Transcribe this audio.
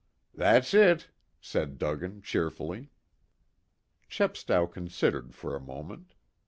"That's it," said Duggan cheerfully. Chepstow considered for a moment.